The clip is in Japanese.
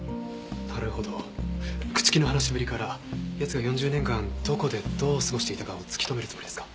なるほど朽木の話しぶりから奴が４０年間どこでどう過ごしていたかを突き止めるつもりですか？